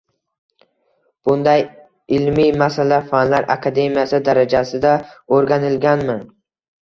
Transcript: Bunday ilmiy masala Fanlar akademiyasi darajasida o‘rganilganmi?